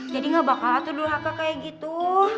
jadi gak bakal atur duraka kayak gitu